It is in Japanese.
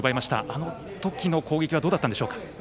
あの時の攻撃はどうだったんでしょうか。